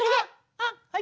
あっはい。